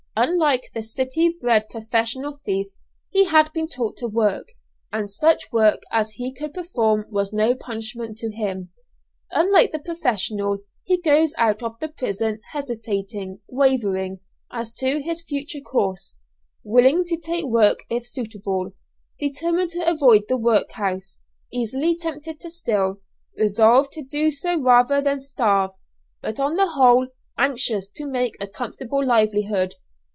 Unlike the city bred professional thief, he had been taught to work, and such work as he could perform was no punishment to him. Unlike the professional, he goes out of the prison hesitating, wavering, as to his future course: willing to take work if suitable; determined to avoid the workhouse; easily tempted to steal, resolved to do so rather than starve; but, on the whole, anxious to make a comfortable livelihood.